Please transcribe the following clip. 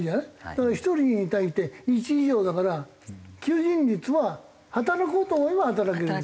だから１人に対して１以上だから求人率は働こうと思えば働ける。